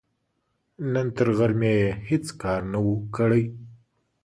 نن تر غرمې يې هيڅ کار نه و، کړی.